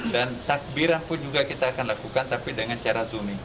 dan takbiran pun juga kita akan lakukan tapi dengan cara zooming